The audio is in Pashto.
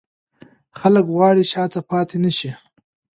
خلک غواړي شاته پاتې نه شي.